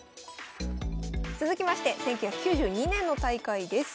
続きまして１９９２年の大会です。